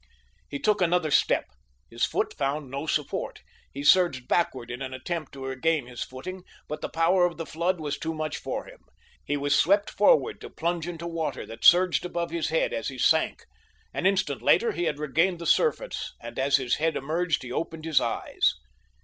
He took another step. His foot found no support. He surged backward in an attempt to regain his footing, but the power of the flood was too much for him. He was swept forward to plunge into water that surged above his head as he sank. An instant later he had regained the surface and as his head emerged he opened his eyes.